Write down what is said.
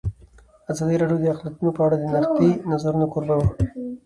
ازادي راډیو د اقلیتونه په اړه د نقدي نظرونو کوربه وه.